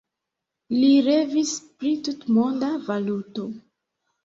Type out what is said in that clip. Li revis pri tutmonda valuto.